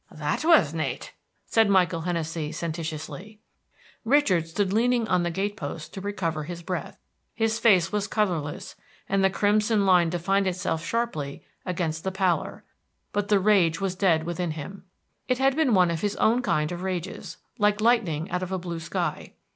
"That was nate," said Michael Hennessey, sententiously. Richard stood leaning on the gate post to recover he breath. His face was colorless, and the crimson line defined itself sharply against the pallor; but the rage was dead within him. It had been one of his own kind of rages, like lightning out of a blue sky.